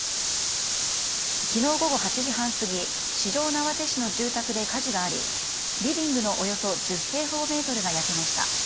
昨日午後８時半過ぎ四條畷市の住宅で火事がありリビングのおよそ１０平方メートルが焼けました。